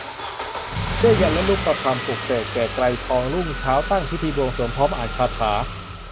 เสื้อยันต์และลูกประคำปลุกเสก แก่ไกรทอง รุ่งเช้าตั้งพิธีบวงสรวงพร้อมอ่านคาถา